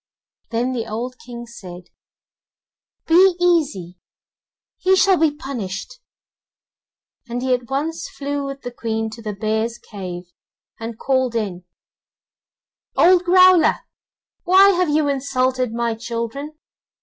Then the old King said: 'Be easy, he shall be punished,' and he at once flew with the Queen to the bear's cave, and called in: 'Old Growler, why have you insulted my children?